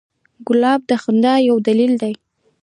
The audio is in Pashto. ګلاب د خندا یو دلیل دی.